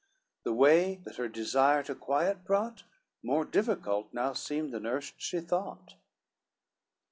The way that her desire to quiet brought, More difficult now seemed than erst she thought.